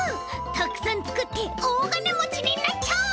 たくさんつくっておおがねもちになっちゃおう！